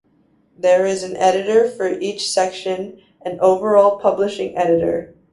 There is an editor for each section and an overall Publishing Editor.